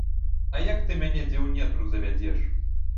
А як ты мяне дзе ў нетру завядзеш?